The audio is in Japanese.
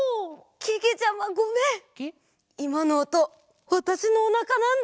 いまのおとわたしのおなかなんだ。